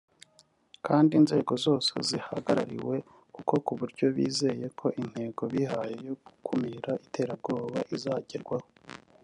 kandi inzego zose zihagarariwe ku buryo bizeye ko intego bihaye yo gukumira iterabwoba izagerwaho